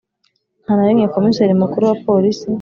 Nta na rimwe Komiseri Mukuru wa Polisi